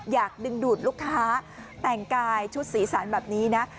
อยากดึงดูดลูกค้าแต่งกายชุดสีสันแบบนี้นะ